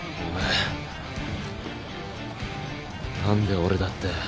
何で俺だって。